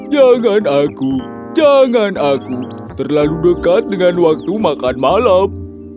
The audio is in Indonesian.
jangan aku jangan aku terlalu dekat dengan waktu makan malam